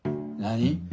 何？